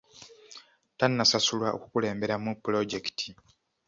Tannasasulwa okukulemberamu pulojekiti .